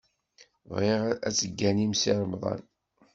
Bɣiɣ ad tegganim Si Remḍan.